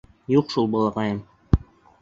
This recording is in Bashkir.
— Юҡ шул, балаҡайым.